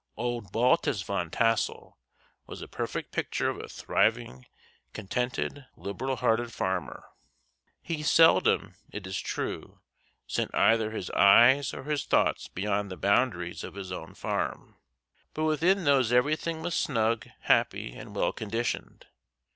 Old Baltus Van Tassel was a perfect picture of a thriving, contented, liberal hearted farmer. He seldom, it is true, sent either his eyes or his thoughts beyond the boundaries of his own farm, but within those everything was snug, happy, and well conditioned.